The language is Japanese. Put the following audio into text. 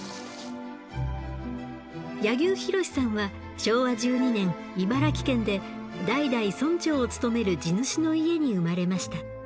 柳生博さんは昭和１２年茨城県で代々村長を務める地主の家に生まれました。